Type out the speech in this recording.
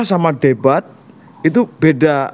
sama debat itu beda